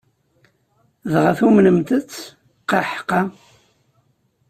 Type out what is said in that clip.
Dɣa tumenent-tt? Qaḥqa!